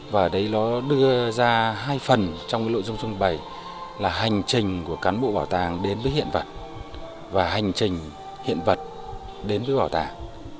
và đấy nó đưa ra hai phần trong nội dung trưng bày là hành trình của cán bộ bảo tàng đến với hiện vật và hành trình hiện vật đến với bảo tàng